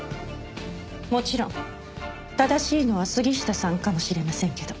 もちろん正しいのは杉下さんかもしれませんけど。